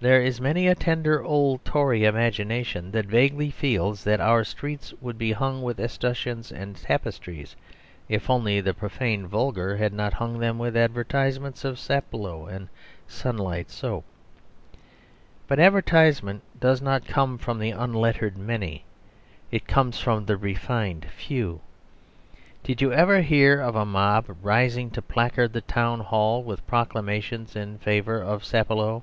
There is many a tender old Tory imagination that vaguely feels that our streets would be hung with escutcheons and tapestries, if only the profane vulgar had not hung them with advertisements of Sapolio and Sunlight Soap. But advertisement does not come from the unlettered many. It comes from the refined few. Did you ever hear of a mob rising to placard the Town Hall with proclamations in favour of Sapolio?